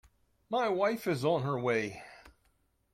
My wife is on her way.